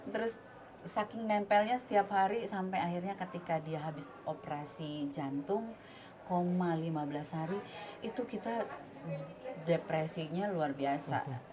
terus saking nempelnya setiap hari sampai akhirnya ketika dia habis operasi jantung koma lima belas hari itu kita depresinya luar biasa